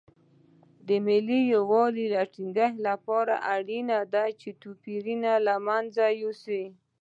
د ملي یووالي ټینګښت لپاره اړینه ده چې توپیرونه له منځه یوسو.